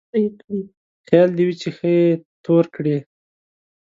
خيال دې وي چې ښه يې تور کړې.